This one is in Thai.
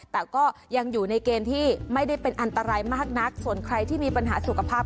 แต่ก็ยังอยู่ในเกณฑ์ที่ไม่ได้เป็นอันตรายมากนักส่วนใครที่มีปัญหาสุขภาพ